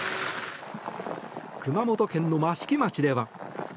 熊本県の益城町では。